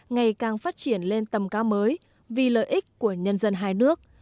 ngày càng phát triển lên tầm cao mới vì lợi ích của nhân dân hai nước